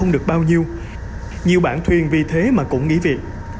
là bao nhiêu nhiều bạn thuyền vì thế mà cũng nghĩ việc